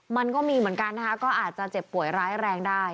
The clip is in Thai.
มันก็มีเหมือนกันนะคะก็อาจจะเจ็บป่วยร้ายแรงได้